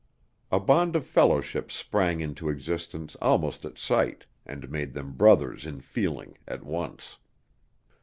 A bond of fellowship sprang into existence almost at sight, and made them brothers in feeling at once.